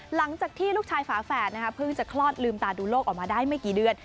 หลังจากที่ลูกชายฝาแฝดเพิ่งจะคลอดลืมตาดูโลกออกมาได้ไม่กี่เดือน